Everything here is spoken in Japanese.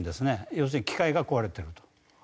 要するに機械が壊れてると。